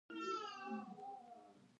د پکتیا په میرزکه کې د قیمتي ډبرو نښې دي.